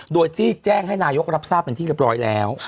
โดยที่แจ้งให้นายกรับทราบเป็นที่เรียบร้อยแล้ว